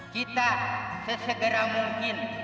kita sesegera mungkin